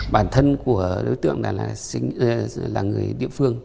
bản thân của đối tượng là người địa phương